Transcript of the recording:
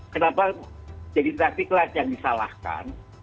kenapa jadi traffic light yang disalahkan